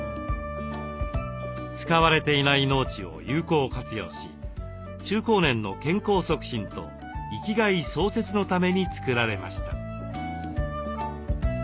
使われていない農地を有効活用し中高年の健康促進と生きがい創設のために作られました。